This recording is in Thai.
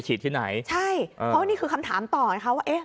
ฉีดที่ไหนใช่เพราะว่านี่คือคำถามต่อไว้ครับว่า